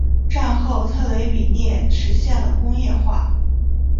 战后特雷比涅实现了工业化。